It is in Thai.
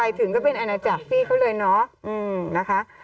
ไปถึงก็เป็นอันนั้นจากพี่เขาเลยเนาะอืมนะคะ